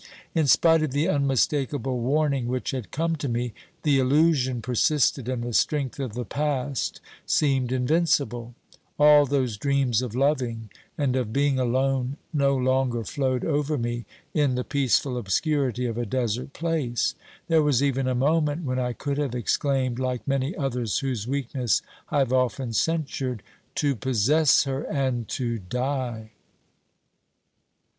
In spite of the un mistakable warning which had come to me, the illusion persisted, and the strength of the past seemed invincible. All those dreams of loving and of being alone no longer flowed over me in the peaceful obscurity of a desert place. There was even a moment when I could have exclaimed, like many others whose weakness I have often censured : To possess her and to die